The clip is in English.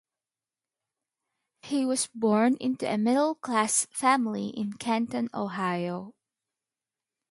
He was born into a middle-class family in Kenton, Ohio.